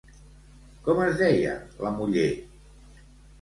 Com es deia la muller?